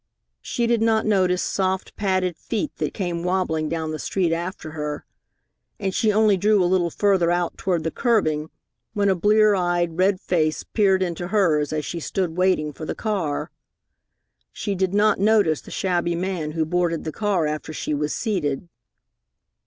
She did not notice soft, padded feet that came wobbling down the street after her, and she only drew a little further out toward the curbing when a blear eyed, red face peered into hers as she stood waiting for the car. She did not notice the shabby man who boarded the car after she was seated.